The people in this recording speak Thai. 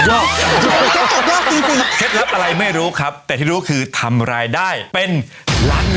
เคล็ดลับอะไรไม่รู้ครับแต่ที่รู้คือทำร้ายได้เป็นล้านล้าม